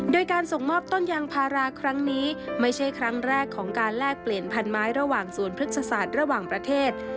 โดยการส่งมอบต้นยางพาราครั้งนี้ไม่ใช่ครั้งแรกของการแลกเปลี่ยนพันไม้ระหว่างสวนพฤกษศาสตร์ระหว่างประเทศ